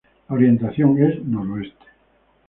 La orientación es noroeste.